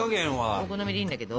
お好みでいいんだけど。